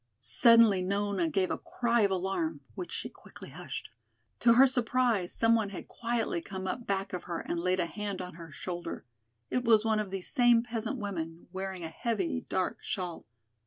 Suddenly Nona gave a cry of alarm, which she quickly hushed. To her surprise some one had quietly come up back of her and laid a hand on her shoulder. It was one of these same peasant women, wearing a heavy, dark shawl.